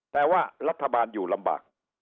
แต่ว่ารัฐบาลอยู่ลำบาก